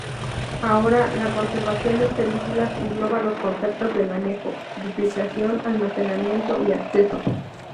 Ahora, la conservación de películas engloba los conceptos de manejo, duplicación, almacenamiento y acceso.